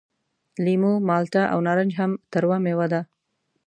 لیمو، مالټه او نارنج هم تروه میوې دي.